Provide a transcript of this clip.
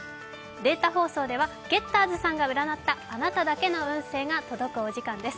データ放送ではゲッターズさんが占ったあなただけの運勢が届くお時間です。